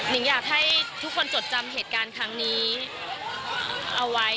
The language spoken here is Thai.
นิงอยากให้ทุกคนจดจำเหตุการณ์ครั้งนี้เอาไว้